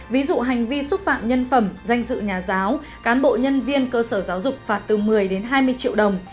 ví dụ hành vi xúc phạm nhân phẩm danh dự nhà giáo cán bộ nhân viên cơ sở giáo dục phạt từ một mươi đến hai mươi triệu đồng